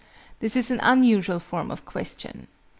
This is an unusual form of question.